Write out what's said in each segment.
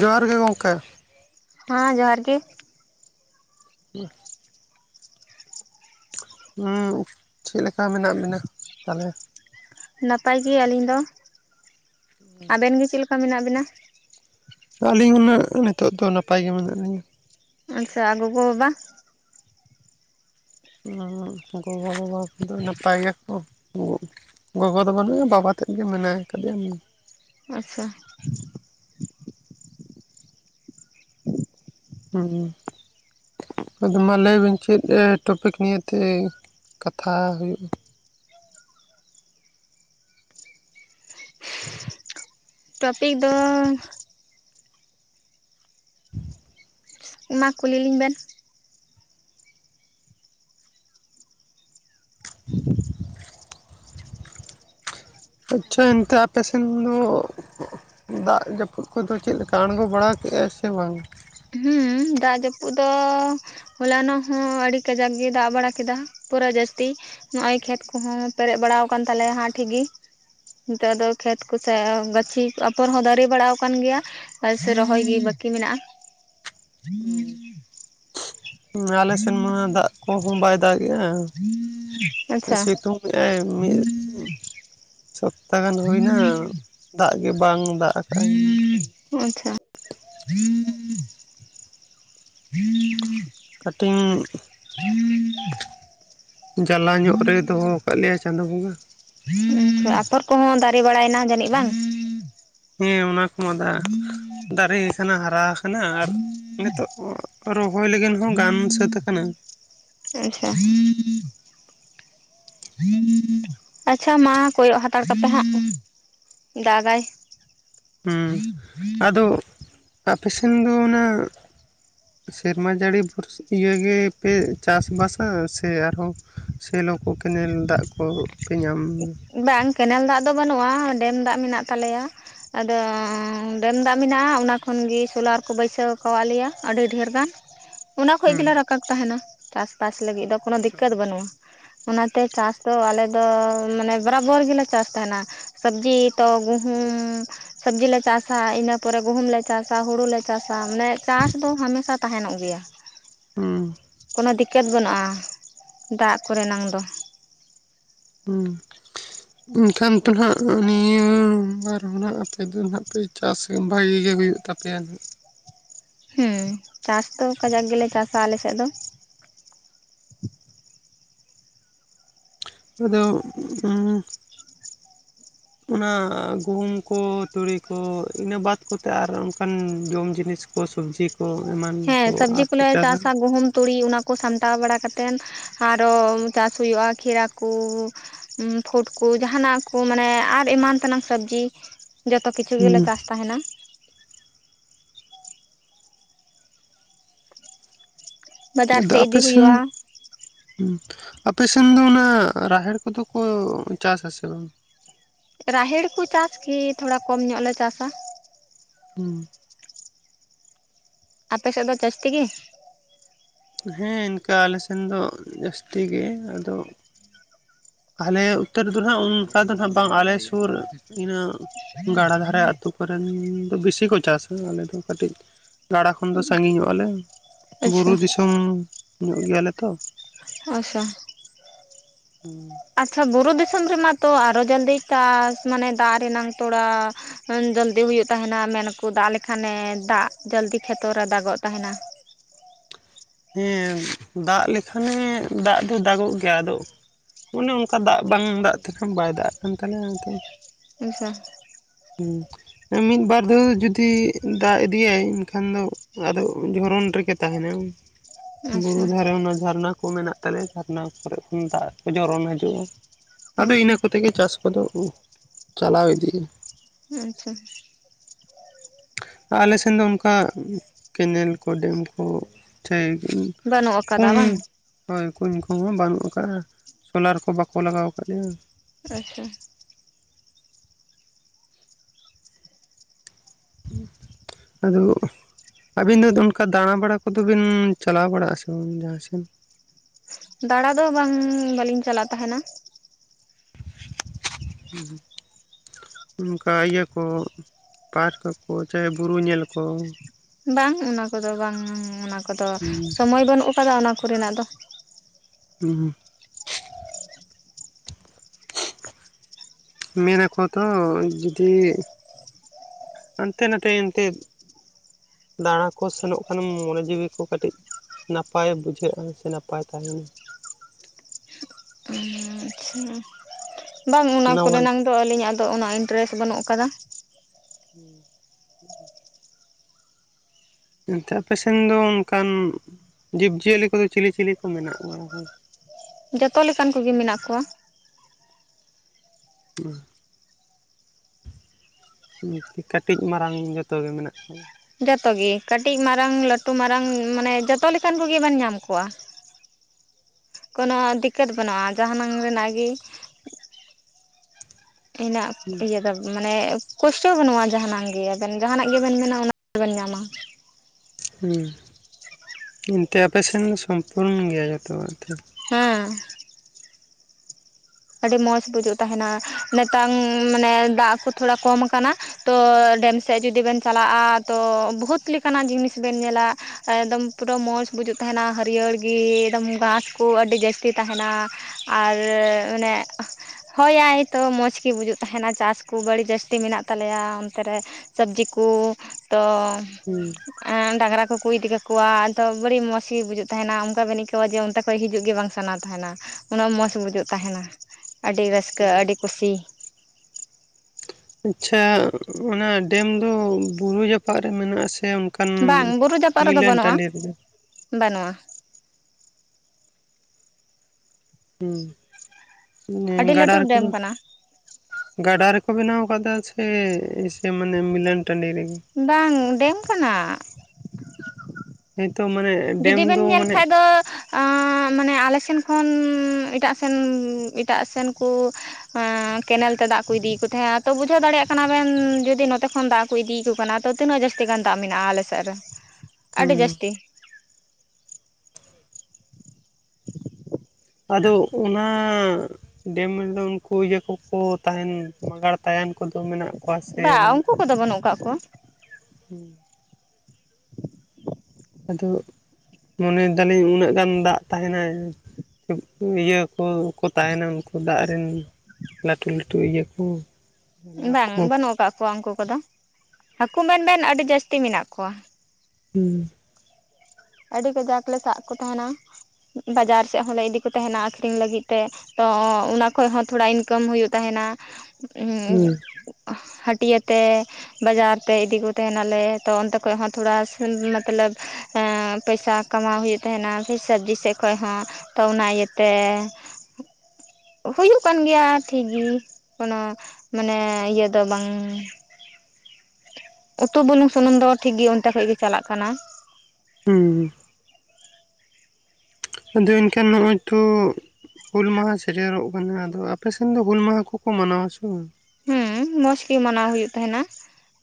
ᱡᱚᱦᱟᱨ ᱜᱮ ᱜᱚᱢᱠᱮ ᱦᱮᱸ ᱡᱚᱦᱟᱨ ᱜᱤ ᱦᱩ ᱦᱩᱢ ᱪᱮᱫ ᱞᱮᱠᱟ ᱢᱮᱱᱟᱜ ᱵᱤᱱᱟ ᱛᱟᱦᱚᱞᱮ ᱱᱟᱯᱟᱭ ᱜᱮ ᱟᱹᱞᱤᱧ ᱫᱚ ᱟᱵᱮᱱ ᱜᱮ ᱪᱮᱫ ᱞᱮᱠᱟ ᱢᱮᱱᱟᱜ ᱵᱤᱱᱟ ᱟᱹᱞᱤᱧ ᱦᱩᱱᱟᱹᱜ ᱱᱤᱛᱚᱜ ᱫᱚ ᱱᱟᱯᱟᱭ ᱜᱮ ᱢᱮᱱᱟᱜ ᱞᱤᱧᱟᱹ ᱟᱪᱪᱷᱟ ᱟᱨ ᱜᱚᱜᱚ ᱵᱟᱵᱟ ᱦᱩᱢ ᱜᱚᱜᱚ-ᱵᱟᱵᱟ ᱠᱚᱫᱚ ᱱᱟᱯᱟᱭ ᱜᱮᱠᱚ ᱜᱚᱜᱚ ᱫᱚ ᱵᱟᱹᱱᱩᱜ-ᱮᱭᱟ ᱵᱟᱵᱟ ᱛᱮᱫ ᱜᱮ ᱢᱮᱱᱟᱭ ᱟᱠᱟᱫᱮᱭᱟ ᱟᱪᱪᱷᱟ ᱦᱩ ᱦᱩ ᱟᱫᱚ ᱢᱟ ᱞᱟᱹᱭ ᱵᱤᱱ ᱪᱮᱫ ᱴᱚᱯᱤᱠ ᱱᱤᱭᱮᱛᱮ ᱠᱟᱛᱷᱟ ᱦᱩᱭᱩᱜ-ᱟ ᱴᱚᱯᱤᱠ ᱫᱚ ᱢᱟ ᱠᱩᱞᱤ ᱞᱤᱧ ᱵᱮᱱ [inaudible] ᱟᱪᱪᱷᱟ ᱮᱱᱠᱟ ᱟᱯᱮᱥᱮᱱ ᱫᱚ ᱫᱟᱜ ᱡᱟᱹᱯᱩᱫ ᱠᱚᱫᱚ ᱪᱮᱫᱠᱟ ᱟᱬᱜᱚ ᱵᱟᱲᱟ ᱠᱮᱫ-ᱟᱭ ᱥᱮ ᱵᱟᱝ ᱦᱩᱸᱢ ᱫᱟᱜ ᱡᱟᱹᱯᱩᱫ ᱫᱚ ᱦᱚᱞᱟᱱᱚᱜ ᱦᱚᱸ ᱟᱹᱰᱤ ᱠᱟᱡᱟᱠ ᱜᱮ ᱫᱟᱜ ᱵᱟᱲᱟ ᱠᱮᱫᱟ ᱯᱩᱨᱟᱹ ᱡᱟᱹᱥᱛᱤ ᱱᱚᱜ-ᱚᱭ ᱠᱷᱮᱛ ᱠᱚᱦᱚᱸ ᱯᱮᱨᱮᱡ ᱵᱟᱲᱟ ᱟᱠᱟᱱ ᱛᱟᱞᱮᱭᱟ ᱦᱟᱸᱜ ᱴᱷᱤᱠ ᱜᱮ ᱱᱤᱛᱚᱜ ᱫᱚ ᱠᱷᱮᱛ ᱠᱚᱥᱮ ᱜᱟᱹᱪᱷᱤ ᱟᱯᱷᱚᱨ ᱦᱚᱸ ᱫᱟᱨᱮ ᱵᱟᱲᱟ ᱟᱠᱟᱱ ᱜᱮᱭᱟ ᱦᱳᱭ ᱥᱮ ᱨᱚᱦᱚᱭ ᱜᱮ ᱵᱟᱹᱠᱤ ᱢᱮᱱᱟᱜ-ᱟ ᱦᱩ ᱟᱞᱮ ᱥᱮᱱ ᱢᱟ ᱫᱟᱜ ᱠᱚᱦᱚᱸ ᱵᱟᱭ ᱫᱟᱜ ᱮ-ᱟ ᱟᱪᱪᱷᱟ ᱥᱤᱛᱩᱝ ᱮ- ᱟᱭ ᱢᱤᱫ ᱥᱚᱯᱛᱟᱦᱚ ᱜᱟᱱ ᱦᱩᱭᱱᱟ ᱫᱟᱜ ᱜᱮ ᱵᱟᱝ ᱫᱟᱜ ᱟᱠᱟᱜ-ᱟᱭ ᱚᱱᱠᱟ ᱟᱪᱪᱷᱟ [inaudible] [inaudible] ᱠᱟᱹᱴᱤᱱ [inaudible] ᱡᱟᱞᱟ ᱧᱚᱜ ᱨᱮ ᱫᱚᱦᱚ ᱟᱠᱟᱫ ᱞᱮᱭᱟᱭ ᱪᱟᱸᱫᱳ ᱵᱚᱸᱜᱟ ᱟᱯᱷᱚᱨ ᱠᱚᱦᱚᱸ ᱫᱟᱨᱮ ᱵᱟᱲᱟᱭᱮᱱᱟ ᱡᱟᱹᱱᱤᱡ ᱵᱟᱝ ᱦᱮᱸ ᱚᱱᱟ ᱠᱚᱢᱟ ᱫᱟᱨᱮ ᱟᱠᱟᱱᱟ ᱦᱟᱨᱟ ᱟᱠᱟᱱᱟ ᱟᱨ ᱱᱤᱛᱚᱜ ᱨᱚᱦᱚᱭ ᱞᱟᱹᱜᱤᱫ ᱦᱚᱸ ᱜᱟᱱ ᱥᱟᱹᱛ ᱟᱠᱟᱱᱟ ᱟᱪᱪᱷᱟ ᱟᱪᱪᱷᱟ ᱢᱟ ᱠᱚᱭᱚᱜ ᱦᱟᱛᱟᱲ ᱠᱟᱯᱮ ᱦᱟᱸᱜ ᱫᱟᱜᱟᱭ ᱦᱮᱸ ᱟᱫᱚ ᱟᱯᱮ ᱥᱮᱱ ᱫᱚ ᱚᱱᱟ ᱥᱮᱨᱢᱟ ᱡᱟᱹᱲᱤ ᱵᱷᱚᱨᱥᱟ ᱤᱭᱟᱹ ᱜᱮᱯᱮ ᱪᱟᱥᱵᱟᱥᱟ ᱥᱮ ᱟᱨᱦᱚᱸ ᱥᱮᱞᱚ ᱠᱚ ᱠᱮᱱᱮᱞ ᱫᱟᱜ ᱠᱚ ᱠᱚ ᱯᱮ ᱧᱟᱢ ᱜᱮᱭᱟ ᱵᱟᱝ ᱠᱮᱱᱮᱞ ᱫᱟᱜ ᱫᱚ ᱵᱟᱹᱱᱩᱜ-ᱟ ᱰᱮᱢ ᱫᱟᱜ ᱢᱮᱱᱟᱜ ᱛᱟᱞᱮᱭᱟ ᱟᱫᱚ ᱰᱮᱢ ᱫᱟᱜ ᱢᱮᱱᱟᱜ-ᱟ ᱚᱱᱟ ᱠᱷᱚᱱᱜᱮ ᱥᱳᱞᱟᱨ ᱠᱚ ᱵᱟᱹᱭᱥᱟᱹᱣ ᱠᱟᱫ ᱞᱮᱭᱟ ᱟᱹᱰᱤ ᱰᱷᱮᱨ ᱜᱟᱱ ᱚᱱᱟ ᱠᱷᱚᱡ ᱦᱩᱸ ᱜᱮᱞᱮ ᱨᱟᱠᱟᱵ ᱛᱟᱦᱮᱱᱟ ᱪᱟᱥᱵᱟᱥ ᱞᱟᱹᱜᱤᱫ ᱫᱚ ᱠᱳᱱᱳ ᱫᱤᱠᱠᱟᱛ ᱵᱟᱹᱱᱩᱜ-ᱟ ᱚᱱᱟᱛᱮ ᱪᱟᱥ ᱫᱚ ᱟᱞᱮ ᱫᱚ ᱢᱟᱱᱮ ᱵᱟᱨᱵᱚᱨ ᱜᱮᱞᱮ ᱪᱟᱥ ᱛᱟᱦᱮᱱᱟ ᱥᱚᱵᱡᱤ ᱛᱚ ᱜᱩᱦᱩᱢ ᱥᱚᱵᱽᱡᱤᱞᱮ ᱪᱟᱥᱟ ᱤᱱᱟᱹ ᱯᱚᱨᱮ ᱜᱩᱦᱩᱢ ᱞᱮ ᱪᱟᱥᱟ ᱦᱩᱲᱩᱞᱮ ᱪᱟᱥᱟ ᱢᱟᱱᱮ ᱪᱟᱥ ᱫᱚ ᱦᱟᱢᱮᱥᱟ ᱛᱟᱦᱮᱱᱚᱜ ᱜᱮᱭᱟ [inaudible] ᱦᱩ ᱠᱳᱱᱳ ᱫᱤᱠᱠᱟᱛ ᱵᱟᱹᱱᱩᱜ-ᱟ ᱫᱟᱜ ᱠᱚᱨᱮᱱᱟᱝ ᱫᱚ ᱦᱩᱸ [inaudible] ᱮᱱᱠᱷᱟᱱ ᱫᱚᱚ ᱱᱟᱦᱟᱜ ᱱᱤᱭᱟᱹ ᱵᱟᱨ ᱦᱚᱱᱟᱦᱟᱜ ᱟᱯᱮᱫᱚ ᱱᱟᱦᱟᱜ ᱯᱮ ᱪᱟᱥ ᱵᱷᱟᱜᱤ ᱜᱮ ᱦᱩᱭᱩᱜ ᱛᱟᱯᱮᱭᱟ ᱱᱟᱦᱟᱜ ᱪᱟᱥ ᱫᱚ ᱠᱟᱡᱟᱠ ᱜᱮᱞᱮ ᱪᱟᱥᱟ ᱟᱞᱮᱥᱮᱫ ᱫᱚ ᱟᱫᱚ ᱚᱱᱟ ᱜᱩᱦᱩᱢ ᱠᱚ ᱛᱩᱲᱤ ᱠᱚ ᱤᱱᱟᱹ ᱵᱟᱫ ᱠᱚᱛᱮ ᱟᱨ ᱚᱱᱠᱟᱱ ᱡᱚᱢ ᱡᱤᱱᱤᱥ ᱠᱚ ᱥᱚᱵᱽᱡᱤ ᱠᱚ ᱮᱢᱟᱱ ᱦᱮᱸ ᱠᱚ ᱥᱚᱵᱽᱡᱤ ᱟᱨᱯᱮ ᱠᱚᱞᱮ ᱪᱟᱥᱟ ᱜᱩᱦᱩᱢ ᱛᱩᱲᱤ ᱚᱱᱟ ᱠᱚ ᱥᱟᱢᱴᱟᱣ ᱵᱟᱲᱟ ᱠᱟᱛᱮᱱ ᱟᱨᱦᱚ ᱪᱟᱥ ᱦᱩᱭᱩᱜ-ᱟ ᱠᱷᱤᱨᱟ ᱠᱚ ᱯᱷᱩᱴ ᱠᱚ ᱡᱟᱦᱟᱱᱟᱜ ᱠᱚ ᱢᱟᱱᱮ ᱟᱨ ᱮᱢᱟᱱ ᱛᱮᱱᱟᱜ ᱥᱚᱵᱽᱡᱤ ᱡᱚᱛᱚ ᱠᱤᱪᱷᱩ ᱜᱮᱞᱮ ᱦᱩᱸ ᱪᱟᱥ ᱛᱟᱦᱮᱸᱱᱟ ᱵᱟᱡᱟᱨ ᱟᱫᱚ ᱥᱮᱫ ᱤᱫᱤ ᱟᱯᱮ ᱥᱮᱱ ᱦᱩᱭᱩᱜᱼᱟ ᱟᱯᱮᱥᱱ ᱫᱚ ᱚᱱᱟ ᱨᱟᱦᱮᱲ ᱠᱚᱫᱚ ᱠᱚ ᱪᱟᱥ ᱟᱥᱮ ᱵᱟᱝ ᱨᱟᱦᱮᱲ ᱠᱚ ᱪᱟᱥ ᱜᱮ ᱛᱷᱚᱲᱟ ᱠᱚᱢ ᱧᱚᱜ ᱞᱮ ᱪᱟᱥᱟ ᱦᱩᱸ ᱟᱯᱮ ᱥᱮᱫ ᱫᱚ ᱡᱟᱹᱥᱛᱤ ᱜᱮ, ᱦᱮᱸ ᱤᱱᱠᱟᱹ ᱟᱞᱮ ᱥᱮᱱ ᱫᱚ ᱡᱟᱹᱥᱛᱤ ᱜᱮ ᱟᱫᱚ ᱟᱞᱮ ᱩᱛᱛᱚᱨ ᱫᱚ ᱦᱟᱸᱜ ᱚᱱᱠᱟ ᱫᱚ ᱱᱟᱜ ᱵᱟᱝ ᱟᱞᱮ ᱥᱩᱨ ᱤᱱᱟᱹ ᱜᱟᱰᱟ ᱫᱷᱟᱨᱮ ᱟ ᱟᱹᱛᱩ ᱠᱚᱨᱮᱱ ᱫᱚ ᱵᱤᱥᱤ ᱠᱚ ᱪᱟᱥᱟ ᱟᱞᱮ ᱫᱚ ᱠᱟᱹᱴᱤᱡ ᱜᱟᱰᱟ ᱠᱷᱚᱱ ᱫᱚ ᱥᱟᱺᱜᱤᱧᱚᱜ ᱟᱞᱮ ᱟᱪᱪᱷᱟ ᱵᱩᱨᱩ ᱫᱤᱥᱚᱢ ᱧᱚᱜ ᱜᱮᱭᱟᱞᱮ ᱛᱚ ᱟᱥᱟ ᱟᱪᱪᱷᱟ ᱵᱩᱨᱩ ᱫᱤᱥᱚᱢ ᱨᱮᱢᱟ ᱛᱚ ᱟᱨᱚ ᱡᱚᱞᱫᱤ ᱪᱟᱥ ᱢᱟᱱᱮ ᱫᱟᱜ ᱨᱮᱱᱟᱝ ᱛᱚᱲᱟ ᱡᱚᱞᱫᱤ ᱦᱩᱭᱩᱜ ᱛᱟᱦᱮᱸᱱᱟ ᱢᱮᱱᱟᱠᱩ ᱫᱟᱜ ᱞᱮᱠᱷᱟᱱᱮ ᱫᱟᱜ ᱡᱚᱞᱫᱤ ᱠᱷᱮᱛᱚ ᱨᱮ ᱫᱟᱜᱚᱜ ᱛᱟᱦᱮᱱᱟ, ᱦᱮᱸ ᱫᱟᱜ ᱞᱮᱠᱷᱟᱱᱮ ᱫᱟᱜ ᱫᱚ ᱫᱟᱜᱚᱜ ᱜᱮᱭᱟ ᱟᱫᱚ ᱚᱱᱮ ᱚᱱᱠᱟ ᱫᱟᱜ ᱵᱟᱝ ᱫᱟᱜ ᱛᱮᱠᱷᱟᱱ ᱵᱟᱭ ᱫᱟᱜ ᱠᱟᱱ ᱛᱟᱞᱮᱭᱟ ᱛᱚ, ᱟᱪᱪᱷᱟ ᱦᱩᱸ ᱢᱤᱫ ᱵᱟᱨ ᱫᱷᱟᱣ ᱡᱩᱫᱤ ᱫᱟᱜ ᱤᱫᱤᱭᱟᱭ ᱮᱱᱠᱷᱟᱱ ᱫᱚ ᱟᱫᱚ ᱡᱚᱨᱚᱱ ᱨᱮᱜᱮ ᱛᱟᱦᱮᱸᱱᱟ ᱵᱩᱨᱩ ᱟᱪᱪᱷᱟ ᱫᱷᱟᱨᱮ ᱚᱱᱟ ᱡᱷᱟᱨᱱᱟ ᱠᱚ ᱢᱮᱱᱟᱜ ᱛᱟᱞᱮᱭᱟ ᱡᱷᱟᱨᱱᱟ ᱠᱚᱨᱮ ᱠᱷᱚᱱ ᱫᱟᱜ ᱠᱚ ᱡᱚᱨᱚᱱ ᱦᱤᱡᱩᱜ-ᱟ ᱟᱫᱚ ᱟᱪᱪᱷᱟ ᱤᱱᱟᱹ ᱠᱚᱛᱮ ᱜᱮ ᱪᱟᱥ ᱠᱚᱫᱚ ᱪᱟᱞᱟᱣ ᱤᱫᱤᱜ-ᱟ ᱟᱪᱪᱷᱟ ᱟᱞᱮ ᱥᱮᱱ ᱫᱚ ᱚᱱᱠᱟ ᱠᱮᱱᱮᱞ ᱠᱚ ᱰᱮᱢ ᱠᱚ ᱥᱮ ᱵᱟᱹᱱᱩᱜ ᱟᱠᱟᱫᱟ ᱯᱩᱱ ᱵᱟᱝ ᱦᱳᱭ ᱠᱩᱧ ᱠᱚᱦᱚᱸ ᱵᱟᱹᱱᱩᱜ ᱟᱠᱟᱫᱼᱟ ᱥᱳᱞᱟᱨ ᱠᱚ ᱵᱟᱠᱚ ᱞᱟᱜᱟᱣ ᱟᱠᱟᱫ ᱞᱮᱭᱟ ᱟᱪᱪᱷᱟ ᱟᱫᱚ ᱟᱹᱵᱤᱱ ᱫᱚ ᱚᱱᱠᱟ ᱫᱟᱬᱟ ᱵᱟᱲᱟ ᱠᱚᱫᱚ ᱵᱤᱱ ᱪᱟᱞᱟᱣ ᱵᱟᱲᱟᱜ ᱟ ᱥᱮ ᱵᱟᱝ ᱡᱟᱦᱟᱸᱥᱮᱫ, ᱫᱟᱬᱟ ᱫᱚ ᱵᱟᱝ ᱵᱟᱹᱞᱤᱧ ᱪᱟᱞᱟᱜ ᱛᱟᱦᱮᱸᱱᱟ ᱦᱩᱸ [unintelligible] ᱚᱱᱠᱟ ᱤᱭᱟᱹ ᱠᱚ ᱯᱟᱨᱠ ᱠᱚ ᱪᱟᱦᱮ ᱵᱩᱨᱩ ᱧᱮᱞ ᱠᱚ ᱵᱟᱝ ᱚᱱᱟ ᱠᱚᱫᱚ ᱵᱟᱝ ᱚᱱᱟ ᱠᱚᱫᱚ ᱥᱚᱢᱚᱭ ᱵᱟᱹᱱᱩᱜ ᱟᱠᱟᱫᱟ ᱚᱱᱟ ᱠᱚᱨᱮᱱᱟᱜ ᱫᱚ ᱩᱸ ᱢᱮᱱᱟᱠᱚ ᱛᱚ ᱡᱩᱫᱤ ᱟᱱᱛᱮ ᱱᱟᱛᱮ ᱮᱱᱛᱮ, ᱫᱟᱬᱟ ᱠᱚ ᱥᱮᱱᱚᱜ ᱠᱷᱟᱱᱮᱢ ᱢᱚᱱᱮ ᱡᱤᱣᱤ ᱠᱚ ᱠᱟᱹᱴᱤᱡ, ᱱᱟᱯᱟᱭ ᱵᱩᱡᱷᱟᱹᱜᱼᱟ ᱥᱮ ᱱᱟᱯᱟᱭ ᱛᱟᱦᱮᱸᱱᱟ ᱟᱪᱪᱷᱟ [inaudible] ᱵᱟᱝ ᱚᱱᱟ ᱱᱟᱣᱟᱱ ᱠᱚᱨᱮᱱᱟᱝ ᱫᱚ ᱟᱹᱞᱤᱧᱟᱜ ᱫᱚ ᱩᱱᱟᱹᱜ ᱤᱱᱴᱟᱨᱮᱥᱴ ᱵᱟᱹᱱᱩᱜ ᱟᱠᱟᱫᱟ [unintelligible] ᱮᱱᱛᱮ ᱟᱯᱮ ᱥᱮᱱ ᱫᱚ ᱚᱱᱠᱟᱱ ᱡᱤᱵᱽ ᱡᱤᱭᱟᱹᱞᱤ ᱠᱚᱫᱚ ᱪᱤᱞᱤ ᱪᱤᱞᱤ ᱠᱚ ᱢᱮᱱᱟᱜ ᱵᱟᱲᱟ ᱠᱚᱣᱟ ᱡᱚᱛᱚ ᱞᱮᱠᱟᱱ ᱠᱚᱜᱮ ᱢᱮᱱᱟᱜ ᱠᱚᱣᱟ [unintelligible] ᱠᱟᱹᱴᱤᱡ ᱢᱟᱨᱟᱝ ᱡᱚᱛᱚ ᱜᱮ ᱢᱮᱱᱟᱜ ᱠᱚᱣᱟ, ᱡᱚᱛᱚ ᱜᱮ ᱠᱟᱹᱴᱤᱡ ᱢᱟᱨᱟᱝ ᱞᱟᱹᱴᱩ ᱢᱟᱨᱟᱝ ᱢᱟᱱᱮ ᱡᱚᱛᱚ ᱞᱮᱠᱟᱱ ᱠᱚᱜᱮ ᱵᱚᱱ ᱧᱟᱢ ᱠᱚᱣᱟ, ᱠᱳᱱᱳ ᱫᱤᱠᱠᱚᱛ ᱵᱟᱹᱱᱩᱜᱼᱟ ᱡᱟᱦᱟᱱᱟᱝ ᱨᱮᱱᱟᱜ ᱜᱮ ᱤᱱᱟᱹ ᱤᱭᱟᱹ ᱫᱚ ᱢᱟᱱᱮ ᱠᱚᱥᱴᱚ ᱵᱟᱹᱱᱩᱜᱼᱟ ᱡᱟᱦᱟᱱᱟᱱᱟᱜ ᱜᱮ ᱟᱵᱮᱱ ᱡᱟᱦᱟᱱᱟᱜ ᱜᱮᱵᱮᱱ ᱢᱮᱱᱟ ᱚᱱᱟ ᱜᱮᱵᱮᱱ ᱧᱟᱢᱟ ᱦᱮᱸ ᱮᱱᱛᱮ ᱟᱯᱮᱥᱱ ᱫᱚ ᱥᱚᱢᱯᱩᱨᱱ ᱜᱮᱭᱟ ᱡᱚᱛᱚᱣᱟᱜ ᱛᱮ ᱦᱮᱸ ᱟᱹᱰᱤ ᱢᱚᱸᱡᱽ ᱵᱩᱡᱟᱹᱜ ᱛᱟᱦᱮᱱᱟ ᱱᱮᱛᱟᱨ ᱢᱟᱱᱮ ᱫᱟᱜ ᱠᱚ ᱛᱷᱚᱲᱟ ᱠᱚᱢ ᱟᱠᱟᱱᱟ ᱛᱚ ᱰᱮᱢ ᱥᱮᱫ ᱡᱩᱫᱤ ᱵᱮᱱ ᱪᱟᱞᱟᱜᱼᱟ ᱛᱚ ᱵᱚᱦᱩᱛ ᱞᱮᱠᱟᱱᱟᱜ ᱡᱤᱱᱤᱥ ᱵᱮᱱ ᱧᱮᱞᱟ ᱮᱠᱫᱚᱢ ᱯᱩᱨᱟᱹ ᱢᱚᱸᱡᱽ ᱵᱩᱡᱩᱜ ᱛᱟᱦᱮᱱᱟ ᱦᱟᱹᱨᱭᱟᱹᱲ ᱜᱮ ᱮᱠᱫᱚᱢ ᱜᱷᱟᱥ ᱠᱚ ᱟᱹᱰᱤ ᱡᱟᱹᱥᱛᱤ ᱛᱟᱦᱮᱱᱟ ᱟᱨ ᱚᱱᱮ ᱦᱳᱭᱟᱭ ᱛᱚ ᱢᱚᱸᱡᱽᱜᱤ ᱵᱩᱡᱩᱜ ᱛᱟᱦᱮᱱᱟ ᱪᱟᱥᱠᱩ ᱵᱟᱹᱲᱤᱡ ᱡᱟᱹᱥᱛᱤ ᱢᱮᱱᱟᱜ ᱛᱟᱞᱮᱭᱟ ᱚᱱᱛᱮᱨᱮ ᱥᱚᱵᱽᱡᱤ ᱠᱚ ᱛᱚ ᱦᱮᱸ ᱰᱟᱝᱨᱟ ᱠᱚᱠᱚ ᱤᱫᱤ ᱠᱟᱠᱚᱣᱟ ᱟᱫᱚ ᱵᱟᱹᱲᱤᱡ ᱢᱚᱸᱡᱽ ᱜᱮ ᱵᱩᱡᱩᱜ ᱛᱟᱦᱮᱱᱟ ᱚᱱᱠᱟ ᱵᱮᱱ ᱟᱹᱭᱠᱟᱹᱣᱟ ᱡᱮ ᱚᱱᱛᱮ ᱠᱷᱚᱡ ᱦᱤᱡᱩᱜ ᱜᱮ ᱵᱟᱝ ᱥᱟᱱᱟ ᱛᱟᱦᱮᱱᱟ ᱩᱱᱟᱹᱜ ᱢᱚᱸᱡᱽ ᱵᱩᱡᱩᱜ ᱛᱟᱦᱮᱱᱟ ᱟᱹᱰᱤ ᱨᱟᱹᱥᱠᱟᱹ ᱟᱹᱰᱤ ᱠᱩᱥᱤ ᱟᱪᱪᱷᱟ ᱚᱱᱟ ᱰᱮᱢ ᱫᱚ ᱵᱩᱨᱩ ᱡᱟᱯᱟᱜ ᱨᱮ ᱢᱮᱱᱟᱜ ᱟᱥᱮ ᱚᱱᱠᱟᱱ ᱵᱟᱝ ᱵᱩᱨᱩ ᱡᱟᱯᱟᱜ ᱨᱮᱫᱚ ᱢᱤᱞᱟᱱ ᱵᱟᱹᱱᱩᱜᱼᱟ ᱴᱟᱺᱰᱤ ᱵᱟᱹᱱᱩᱜᱼᱟ ᱦᱮᱸ ᱟᱹᱰᱤ ᱜᱟᱰᱟ ᱞᱟᱹᱴᱩ ᱨᱮᱠᱚ ᱰᱮᱢ ᱠᱟᱱᱟ ᱜᱟᱰᱟ ᱨᱮᱠᱚ ᱵᱮᱱᱟᱣ ᱟᱠᱟᱫᱟ ᱪᱷᱮ ᱥᱮ ᱢᱟᱱᱮ ᱢᱤᱞᱟᱹᱱ ᱴᱟᱺᱰᱤ ᱨᱮᱜᱮ ᱵᱟᱝ ᱰᱮᱢ ᱠᱟᱱᱟ ᱦᱮᱸ ᱛᱚ ᱢᱟᱱᱮ ᱰᱮᱢ ᱡᱩᱫᱤ ᱵᱮᱱ ᱫᱚ ᱧᱮᱞ ᱢᱟᱱᱮ ᱠᱷᱟᱡ ᱫᱚ ᱢᱟᱱᱮ ᱟᱞᱮ ᱥᱮᱱ ᱠᱷᱚᱱ ᱮᱴᱟᱜ ᱥᱮᱱ ᱮᱴᱟᱜ ᱥᱮᱱ ᱠᱚ ᱠᱮᱱᱮᱞ ᱛᱮ ᱫᱟᱜ ᱠᱚ ᱤᱫᱤᱭ ᱠᱚ ᱛᱟᱦᱮᱸᱫᱼᱟ ᱛᱚ ᱵᱩᱡᱷᱟᱹᱣ ᱫᱟᱲᱮᱭᱟᱜ ᱠᱟᱱᱟ ᱵᱮᱱ ᱡᱩᱫᱤ ᱱᱚᱛᱮ ᱠᱷᱚᱱ ᱫᱟᱜ ᱠᱚ ᱤᱫᱤᱭᱟ ᱟᱠᱚ ᱠᱟᱱᱟ ᱛᱚ ᱛᱤᱱᱟᱹᱜ ᱡᱟᱹᱥᱛᱤ ᱜᱟᱱ ᱫᱟᱜ ᱢᱮᱱᱟᱜᱼᱟ ᱟᱞᱮᱥᱮᱫ ᱨᱮ ᱟᱹᱰᱤ ᱦᱩᱸ ᱡᱟᱹᱥᱛᱤ [unintelligible] ᱟᱫᱚ ᱚᱱᱟ ᱰᱮᱢ ᱨᱮᱫᱚ ᱩᱱᱠᱩ ᱤᱭᱟᱹ ᱠᱚᱠᱚ ᱛᱟᱦᱮᱱ ᱢᱟᱜᱟᱲ ᱛᱟᱭᱟᱱ ᱠᱚᱫᱚ ᱢᱮᱱᱟᱜ ᱠᱚᱣᱟ ᱥᱮ ᱵᱟᱹᱱᱩᱜ ᱚᱠᱩ ᱠᱚᱫᱚ ᱵᱟᱹᱱᱩᱜ ᱟᱠᱟᱫ ᱠᱚᱣᱟ ᱦᱩᱸ [inaudible] ᱟᱫᱚ ᱢᱚᱱᱮ ᱮᱫᱟ ᱞᱤᱧ ᱩᱱᱟᱹᱜ ᱜᱟᱱ ᱫᱟᱜ ᱛᱟᱦᱮᱸ ᱱᱟᱭ ᱤᱭᱟᱹ ᱠᱚᱠᱚ ᱛᱟᱦᱮᱱᱟ ᱩᱱᱠᱩ ᱫᱟᱜ ᱨᱤᱱ ᱞᱟᱹᱴᱩ ᱞᱟᱹᱴᱩ ᱤᱭᱟᱹ ᱠᱚ ᱡᱟᱱᱣᱟᱨ ᱵᱟᱝ ᱠᱚ ᱵᱟᱹᱱᱩᱜ ᱟᱠᱟᱜ ᱠᱚᱣᱟ ᱩᱱᱠᱩ ᱠᱚ ᱫᱚ ᱦᱟᱹᱠᱩ ᱢᱮᱱ ᱵᱮᱱ ᱟᱹᱰᱤ ᱡᱟᱹᱥᱛᱤ ᱢᱮᱱᱟᱜ ᱠᱚᱣᱟ ᱦᱩᱸ ᱟᱹᱰᱤ ᱠᱟᱡᱟᱠ ᱞᱮ ᱥᱟᱵ ᱠᱚ ᱛᱟᱦᱮᱱᱟ ᱵᱟᱡᱟᱨ ᱥᱮᱫ ᱦᱚᱸ ᱞᱮ ᱤᱫᱤ ᱠᱚ ᱛᱟᱦᱮᱱᱟ ᱟᱹᱠᱷᱨᱤᱧ ᱞᱟᱹᱜᱤᱫ ᱛᱮ ᱛᱚᱻ ᱚᱱᱟ ᱠᱷᱚᱡ ᱦᱚᱸ ᱛᱷᱚᱲᱟ ᱤᱱᱠᱟᱹᱢ ᱦᱩᱭᱩᱜ ᱛᱟᱦᱮᱱᱟ ᱦᱩᱸ ᱦᱟᱹᱴᱤᱭᱟᱹ ᱛᱮ ᱵᱟᱡᱟᱨ ᱛᱮ ᱤᱫᱤ ᱠᱚ ᱛᱟᱦᱮᱸ ᱱᱟᱞᱮ ᱛᱚ ᱚᱱᱛᱮ ᱠᱷᱚᱡ ᱦᱚᱸ ᱛᱷᱚᱲᱟ ᱢᱚᱛᱞᱚᱵᱽ ᱯᱚᱭᱥᱟ ᱠᱟᱢᱟᱣ ᱦᱩᱭᱩᱜ ᱛᱟᱦᱮᱱᱟ ᱥᱚᱵᱽᱡᱤ ᱥᱮᱫ ᱠᱷᱚᱡ ᱦᱚᱸ ᱛᱚ ᱚᱱᱟ ᱤᱭᱟᱹ ᱛᱮ ᱦᱩᱭᱩᱜ ᱠᱟᱱ ᱜᱮᱭᱟ ᱴᱷᱤᱠ ᱜᱤ ᱠᱚᱱᱚ ᱢᱟᱱᱮ ᱤᱭᱟᱹ ᱫᱚ ᱵᱟᱝ ᱩᱛᱩ ᱵᱩᱞᱩᱝ ᱥᱩᱱᱩᱢ ᱫᱚ ᱴᱷᱤᱠ ᱜᱮ ᱚᱱᱛᱮ ᱠᱷᱚᱡ ᱜᱮ ᱪᱟᱞᱟᱜ ᱠᱟᱱᱟ ᱦᱩᱸ ᱟᱫᱚ ᱮᱱ ᱠᱷᱟᱱ ᱱᱚᱜᱼᱚᱭ ᱛᱳ ᱦᱩᱞ ᱢᱟᱦᱟᱸ ᱥᱮᱴᱮᱨᱚᱜ ᱠᱟᱱᱟ ᱟᱫᱚ ᱟᱯᱮ ᱥᱮᱱ ᱫᱚ ᱦᱩᱞ ᱢᱟᱦᱟ ᱠᱚ ᱠᱚ ᱢᱟᱱᱟᱣᱟ ᱥᱮ ᱵᱟᱝ ᱦᱮᱸ ᱢᱚᱸᱡᱽ ᱜᱮ ᱢᱟᱱᱟᱣ ᱦᱩᱭᱩᱜ ᱛᱟᱦᱮᱱᱟ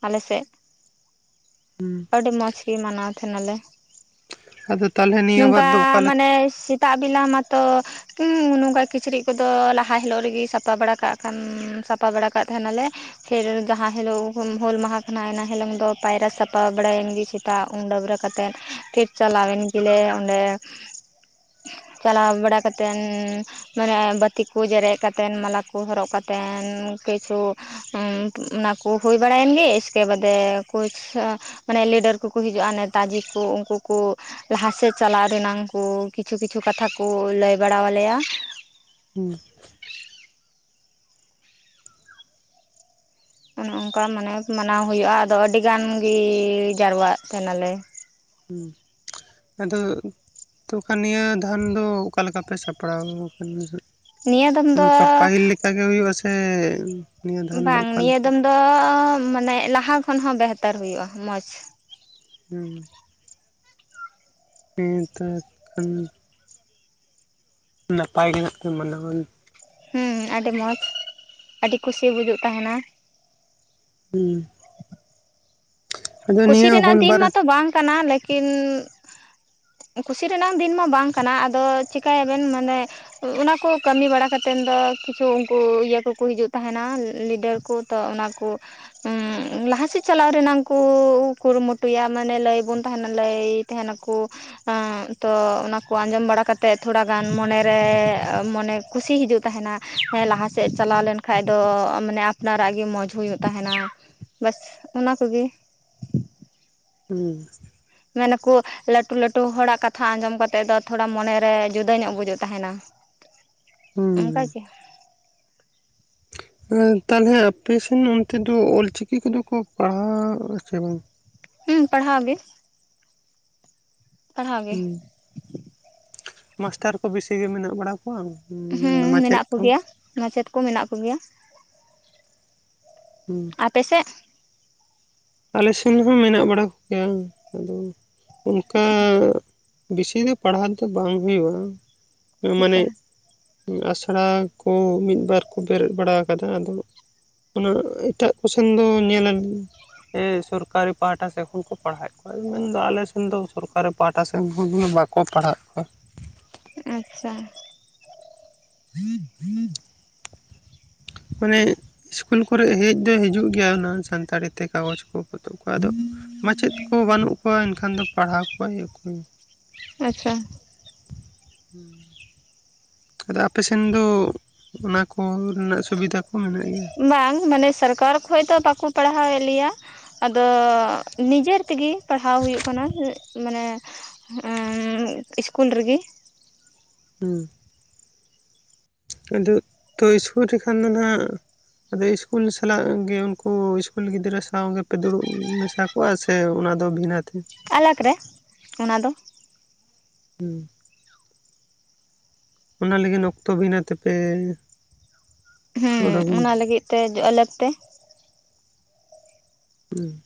ᱟᱞᱮ ᱥᱮᱫ ᱟᱹᱰᱤ ᱢᱚᱸᱡᱽ ᱜᱮ ᱢᱟᱱᱟᱣ ᱛᱟᱦᱮᱸ ᱱᱟ ᱞᱮ ᱟᱫᱚ ᱛᱟᱦᱚᱞᱮ [inaudible] ᱱᱤᱭᱟᱹ ᱱᱚᱝᱠᱟ ᱵᱟᱨ ᱫᱚ ᱚᱠᱟ ᱞᱮᱠᱟ ᱢᱟᱱᱮ ᱥᱤ ᱛᱟᱜ ᱵᱮᱞᱟ ᱢᱟᱛᱚ ᱱᱚᱝᱠᱟ ᱠᱤᱪᱨᱤᱡ ᱠᱚ ᱫᱚ ᱞᱟᱦᱟ ᱦᱤᱞᱚᱜ ᱨᱮ ᱜᱮ ᱥᱟᱯᱟ ᱵᱟᱲᱟ ᱠᱟᱜ ᱠᱷᱟᱱ ᱥᱟᱯᱟ ᱵᱟᱲᱟ ᱠᱟᱜ ᱛᱟᱦᱮᱱ ᱟᱞᱮ ᱯᱷᱮᱨ ᱡᱟᱦᱟᱸ ᱦᱤᱞᱚᱜ ᱦᱩᱞ ᱢᱟᱦᱟ ᱠᱟᱱᱟ ᱮᱱᱟ ᱦᱤᱞᱚᱝ ᱫᱚ ᱯᱟᱭᱨᱟ ᱥᱟᱯ ᱥᱟᱯᱟ ᱵᱟᱲᱟ ᱮᱱ ᱜᱮ ᱥᱮᱛᱟᱜ ᱩᱢ ᱰᱟᱹᱵᱽᱨᱟᱹ ᱠᱟᱛᱮᱫ ᱯᱷᱤᱨ ᱪᱟᱞᱟᱣ ᱮᱱ ᱜᱮ ᱞᱮ ᱚᱸᱰᱮ ᱪᱟᱞᱟᱣ ᱵᱟᱲᱟ ᱠᱟᱛᱮᱱ ᱢᱟᱱᱮ ᱵᱟᱹᱛᱤ ᱠᱚ ᱡᱮᱨᱮᱫ ᱠᱟᱛᱮᱱ ᱢᱟᱞᱟ ᱠᱚ ᱦᱚᱨᱚᱜ ᱠᱟᱛᱮᱱ ᱠᱤᱪᱷᱩ ᱚᱱᱟ ᱠᱚ ᱦᱩᱭ ᱵᱟᱲᱟ ᱮᱱ ᱜᱮ ᱤᱥᱠᱮ ᱵᱟᱫᱮ ᱠᱩᱪᱷ ᱢᱟᱱᱮ ᱞᱤᱰᱟᱹᱨ ᱠᱚ ᱠᱚ ᱦᱤᱡᱩᱜᱼᱟ ᱱᱮᱛᱟ ᱡᱤ ᱠᱚ ᱩᱱᱠᱩ ᱠᱚ ᱞᱟᱦᱟ ᱥᱮᱫ ᱪᱟᱞᱟᱣ ᱨᱮᱱᱟᱝ ᱠᱚ ᱠᱤᱪᱷᱩ ᱠᱤᱪᱷᱩ ᱠᱟᱛᱷᱟ ᱠᱚ ᱞᱟᱹᱭ ᱵᱟᱲᱟᱣ ᱟᱞᱮᱭᱟ ᱦᱩ ᱚᱱᱮ ᱚᱱᱠᱟ ᱢᱟᱱᱮ ᱢᱟᱱᱟᱣ ᱦᱩᱭᱩᱜᱼᱟ ᱟᱫᱚ ᱟᱹᱰᱤ ᱜᱟᱱ ᱜᱮ ᱡᱟᱨᱣᱟᱜ ᱛᱟᱦᱮᱱᱟ ᱞᱮ ᱦᱩᱸ ᱟᱫᱚ ᱛᱚ ᱠᱷᱟᱱ ᱱᱤᱭᱟᱹ ᱫᱷᱟᱱ ᱫᱚ ᱚᱠᱟ ᱞᱮᱠᱟ ᱯᱮ ᱥᱟᱯᱲᱟᱣ ᱟᱠᱟᱱᱟ ᱱᱟᱦᱟᱜ ᱱᱤᱭᱟᱹ ᱫᱚᱢ ᱫᱚ ᱚᱱᱠᱟ ᱯᱟᱹᱦᱤᱞ ᱞᱮᱠᱟ ᱜᱮ ᱦᱩᱭᱩᱜᱼᱟ ᱥᱮ ᱱᱤᱭᱟᱹ ᱫᱷᱟᱱ ᱫᱚ ᱵᱟᱝ ᱚᱠᱟ ᱱᱤᱭᱟᱹ ᱞᱮᱠᱟ ᱫᱚᱢ ᱫᱚ ᱢᱟᱱᱮ ᱞᱟᱦᱟ ᱠᱷᱚᱱ ᱦᱚᱸ ᱵᱮᱦᱛᱚᱨ ᱦᱩᱭᱩᱜᱼᱟ ᱢᱚᱸᱡᱽ ᱦᱩᱸ [unintelligible] ᱱᱟᱯᱟᱭ ᱜᱮ ᱱᱟᱜᱼᱠᱷᱟᱱ ᱢᱟᱱᱟ ᱵᱚᱱ ᱦᱩᱸ ᱟᱹᱰᱤ ᱢᱚᱡᱽ ᱟᱹᱰᱤ ᱠᱩᱥᱤ ᱵᱩᱡᱩᱜ ᱛᱟᱦᱮᱱᱟ ᱦᱩᱸ [inaudible] ᱠᱩᱥᱤ ᱨᱮᱱᱟᱜ ᱦᱩᱞ ᱫᱤᱱ ᱵᱟᱨᱮ ᱢᱟᱛᱚ ᱵᱟᱝ ᱠᱟᱱᱟ ᱞᱮᱠᱤᱱ ᱠᱩᱥᱤ ᱨᱮᱱᱟᱝ ᱫᱤᱱ ᱢᱟ ᱵᱟᱝ ᱠᱟᱱᱟ ᱟᱫᱚ ᱪᱤᱠᱟ ᱭᱟᱵᱮᱱ ᱢᱟᱱᱮ ᱚᱱᱟ ᱠᱚ ᱠᱟᱹᱢᱤ ᱵᱟᱲᱟ ᱠᱟᱛᱮᱱ ᱫᱚ ᱠᱤᱪᱷᱩ ᱩᱱᱠᱩ ᱤᱭᱟᱹ ᱠᱚ ᱠᱚ ᱦᱤᱡᱩᱜ ᱛᱟᱦᱮᱱᱟ ᱞᱤᱰᱟᱹᱨ ᱠᱚ ᱛᱚ ᱚᱱᱟ ᱠᱩ ᱞᱟᱦᱟ ᱥᱮᱫ ᱪᱟᱞᱟᱣ ᱨᱮᱱᱟᱝ ᱠᱚ ᱠᱚ ᱠᱩᱨᱩ ᱢᱩᱴᱩᱭᱟ ᱢᱟᱱᱮ ᱞᱟᱹᱭ ᱵᱚᱱᱟ ᱛᱟᱦᱮᱱᱟ ᱞᱟᱹᱭ ᱛᱟᱦᱮᱱᱟ ᱠᱚ ᱛᱚ ᱚᱱᱟ ᱠᱚ ᱟᱸᱡᱚᱢ ᱵᱟᱲᱟ ᱠᱟᱛᱮᱜ ᱛᱷᱚᱲᱟ ᱜᱟᱱ ᱢᱚᱱᱮ ᱨᱮ ᱢᱚᱱᱮ ᱠᱩᱥᱤ ᱦᱤᱡᱩᱜ ᱛᱟᱦᱮᱱᱟ ᱦᱮᱸ ᱞᱟᱦᱟ ᱥᱮᱫ ᱪᱟᱞᱟᱣ ᱞᱮᱱ ᱠᱷᱟᱡ ᱫᱚ ᱢᱟᱱᱮ ᱟᱯᱱᱟᱨᱟᱜ ᱜᱮ ᱢᱚᱡᱽ ᱦᱩᱭᱩᱜ ᱛᱟᱦᱮᱱᱟ ᱵᱟᱹᱥ ᱚᱱᱟ ᱠᱚ ᱜᱮ ᱦᱩᱸ ᱢᱮᱱᱟ ᱠᱚ ᱞᱟᱹᱴᱩ ᱞᱟᱹᱴᱩ ᱦᱚᱲᱟᱜ ᱠᱟᱛᱷᱟ ᱟᱸᱡᱚᱢ ᱠᱟᱛᱮᱜ ᱫᱚ ᱛᱷᱚᱲᱟ ᱢᱚᱱᱮ ᱨᱮ ᱡᱩᱫᱟᱹ ᱧᱚᱜ ᱵᱩᱡᱷᱟᱹᱜ ᱛᱟᱦᱮᱱᱟ [unintelligible] ᱦᱩᱸ ᱚᱱᱠᱟᱜᱮ ᱛᱟᱦᱚᱞᱮ ᱟᱯᱮᱥᱱ ᱚᱱᱛᱮ ᱫᱚ ᱚᱞᱪᱤᱠᱤ ᱠᱚᱫᱚ ᱠᱚ ᱯᱟᱲᱦᱟᱜ ᱟ ᱥᱮ ᱵᱟᱝ᱾ ᱦᱩᱸ ᱯᱟᱲᱦᱟᱣ ᱜᱮ ᱯᱟᱲᱦᱟᱣ ᱜᱮ ᱦᱩᱸ ᱢᱟᱥᱴᱟᱨ ᱠᱚ ᱵᱤᱥᱤ ᱜᱮ ᱢᱮᱱᱟᱜ ᱵᱟᱲᱟ᱾ ᱵᱟᱝ ᱢᱮᱱᱢᱟ ᱦᱩᱸ ᱢᱟᱪᱮᱫ ᱢᱮᱱᱟᱜ ᱠᱚ ᱾ ᱠᱚᱜᱮᱭᱟ ᱢᱟᱪᱮᱫ ᱠᱚ ᱢᱮᱱᱟᱜ ᱠᱚᱜᱮᱭᱟ᱾ ᱦᱩᱸ ᱟᱯᱮᱥᱮᱫ ᱟᱞᱮ ᱥᱮᱱ ᱦᱚᱸ ᱢᱮᱱᱟᱜ ᱵᱟᱲᱟ ᱠᱚᱜᱮᱭᱟ ᱟᱫᱚ ᱚᱱᱠᱟ ᱵᱮᱥᱤ ᱫᱚ ᱯᱟᱲᱦᱟᱣ ᱫᱚ ᱵᱟᱝ ᱦᱩᱭᱩᱜᱼᱟ᱾ ᱢᱟᱱᱮ ᱟᱪᱪᱷᱟ ᱟᱥᱲᱟ ᱠᱚ ᱢᱤᱫ ᱵᱟᱨ ᱠᱚ ᱵᱮᱨᱮᱫ ᱵᱟᱲᱟ ᱟᱠᱟᱫᱟ ᱟᱫᱚ ᱚᱱᱟ ᱮᱴᱟᱜ ᱠᱚᱥᱮᱱ ᱫᱚ ᱧᱮᱞ ᱟᱞᱤᱧ ᱥᱚᱨᱠᱟᱨᱤ ᱯᱟᱦᱴᱟ ᱥᱮᱫ ᱠᱷᱚᱱ ᱠᱚ ᱯᱟᱲᱦᱟᱣᱮᱫ ᱠᱚᱣᱟ ᱢᱮᱱᱫᱚ ᱟᱞᱮ ᱥᱮᱱ ᱫᱚ ᱥᱚᱨᱠᱟᱨᱤ ᱯᱟᱦᱟᱴᱟ ᱥᱮᱫ ᱵᱟᱠᱚ ᱠᱚ ᱯᱟᱲᱦᱟᱣᱮᱫ ᱠᱚᱣᱟ᱾ ᱟᱪᱪᱷᱟ ᱢᱟᱱᱮ ᱤᱥᱠᱩᱞ ᱠᱚᱨᱮ ᱦᱮᱡ ᱫᱚ ᱦᱤᱡᱩᱜ ᱜᱮᱭᱟ ᱚᱱᱟ ᱥᱟᱱᱛᱟᱲᱤ ᱛᱮ ᱠᱟᱜᱚᱡᱽ ᱠᱚ᱾ ᱠᱚ ᱟᱫᱚ ᱢᱟᱪᱮᱫ ᱠᱚ ᱵᱟᱹᱱᱩᱜ ᱠᱚᱣᱟ ᱮᱱᱠᱷᱟᱱ ᱫᱚ ᱯᱟᱲᱦᱟᱣ ᱠᱚᱣᱟ ᱚᱠᱚᱭ᱾ ᱟᱪᱪᱷᱟ ᱦᱩᱸ ᱟᱫᱚ ᱟᱯᱮᱥᱱ ᱫᱚ ᱚᱱᱟ ᱠᱚ ᱨᱮᱱᱟᱜ ᱥᱩᱵᱤᱫᱟ ᱠᱚ ᱢᱮᱱᱟᱜ ᱜᱮᱭᱟ? ᱵᱟᱝ ᱢᱟᱱᱮ ᱥᱚᱨᱠᱟᱨ ᱠᱷᱚᱡ ᱫᱚ ᱵᱟᱠᱚ ᱯᱟᱲᱦᱟᱣᱮᱫ ᱞᱮᱭᱟ᱾ ᱟᱫᱚ ᱱᱤᱡᱮᱨ ᱛᱮᱜᱮ ᱯᱟᱲᱦᱟᱣ ᱦᱩᱭᱩᱜ ᱠᱟᱱᱟ ᱢᱟᱱᱮ ᱤᱥᱠᱩᱞ ᱨᱮᱜᱮ᱾ ᱦᱩᱸ ᱟᱫᱚ ᱛᱚ ᱥᱠᱩᱨ ᱨᱮᱠᱷᱟᱱ ᱫᱚ ᱟᱸᱜ ᱟᱫᱚ ᱤᱥᱠᱩᱞ ᱥᱟᱞᱟᱜ ᱜᱮ ᱩᱱᱠᱩ ᱤᱥᱠᱩᱞ ᱜᱤᱫᱽᱨᱟᱹ ᱥᱟᱶ ᱜᱮᱯᱮ ᱫᱩᱲᱩᱵ ᱢᱮᱥᱟ ᱠᱚᱣᱟ ᱥᱮ ᱚᱱᱟ ᱫᱚ ᱵᱷᱤᱱᱟᱹᱛᱮ? ᱟᱞᱟᱜᱽ ᱨᱮ ᱚᱱᱟ ᱫᱚ᱾ ᱦᱩᱸ ᱚᱱᱟ ᱞᱟᱹᱜᱤᱫ ᱚᱠᱛᱚ ᱵᱷᱤᱱᱟᱹ ᱛᱮᱯᱮ ᱦᱩᱸ ᱚᱱᱟ ᱞᱟᱹᱜᱤᱫ ᱛᱮ ᱟᱞᱮ ᱛᱮ ᱦᱩᱸ